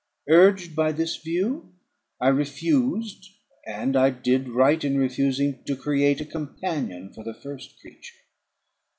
Urged by this view, I refused, and I did right in refusing, to create a companion for the first creature.